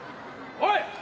おい！